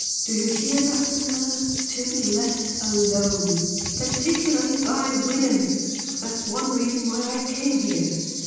Do you hear that, Manella? To be left alone! Particularly by women. That's one reason why I came here.